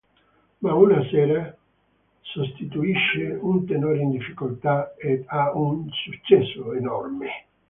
Ma una sera, sostituisce un tenore in difficoltà ed ha un successo enorme.